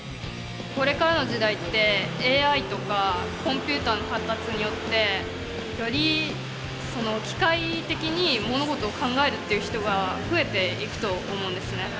これからの時代ってＡＩとかコンピューターの発達によってより機械的に物事を考えるっていう人が増えていくと思うんですね。